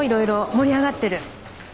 盛り上がってる。